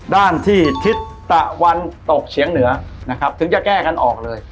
ด้านที่ทิศตะวันตกเฉียงเหนือนะครับถึงจะแก้กันออกเลย